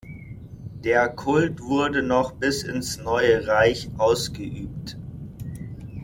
Der Kult wurde noch bis ins Neue Reich ausgeübt.